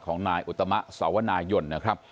ของนายอุตมาสวนายทศนะครับ